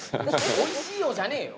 おいしいよじゃねえよ。